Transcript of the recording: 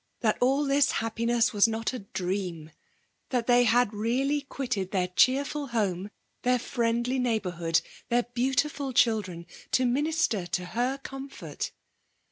that all this happiness was not a dream ; tiiat they had really quitted their oheetful hpme» — ^their friendly neighbourhood^ — ^their beautifbl children,* — ^to minister to her comfort.